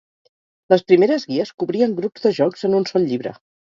Les primeres guies cobrien grups de jocs en un sol llibre.